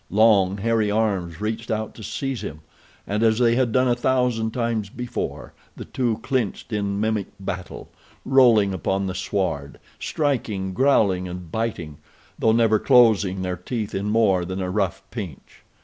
Long, hairy arms reached out to seize him, and, as they had done a thousand times before, the two clinched in mimic battle, rolling upon the sward, striking, growling and biting, though never closing their teeth in more than a rough pinch.